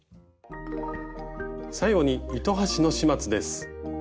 最後に糸端の始末です。